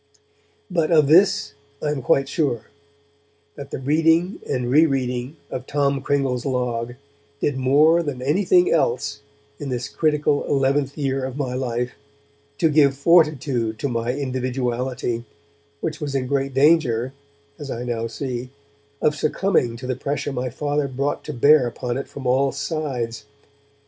But of this I am quite sure, that the reading and re reading of Tom Cringle's Log did more than anything else, in this critical eleventh year of my life, to give fortitude to my individuality, which was in great danger as I now see of succumbing to the pressure my Father brought to bear upon it from all sides.